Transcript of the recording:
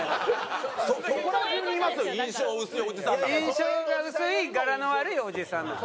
印象が薄いガラの悪いおじさん。